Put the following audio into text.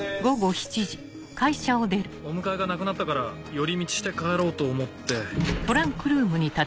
お迎えがなくなったから寄り道して帰ろうと思って。